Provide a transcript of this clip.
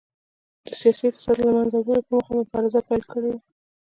د سیاسي فساد له منځه وړلو په موخه مبارزه پیل کړې وه.